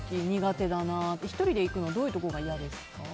１人で行くのはどういうところが嫌ですか？